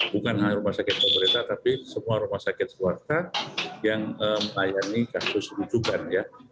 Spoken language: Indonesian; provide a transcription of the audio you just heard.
bukan hanya rumah sakit pemerintah tapi semua rumah sakit keluarga yang melayani kasus rujukan ya